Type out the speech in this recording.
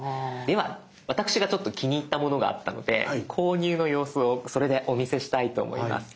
では私がちょっと気に入ったものがあったので購入の様子をそれでお見せしたいと思います。